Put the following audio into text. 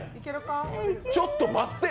ちょっと待って。